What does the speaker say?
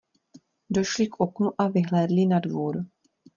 Došli k oknu a vyhlédli na dvůr.